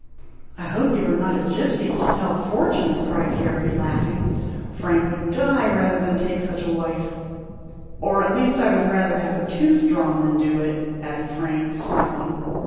"I hope you are not a gipsey, to tell fortunes!" cried Harry, laughing; "Frank would die rather than take such a wife." "Or, at least, I would rather have a tooth drawn than do it," added Frank, smiling.